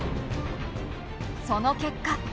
その結果。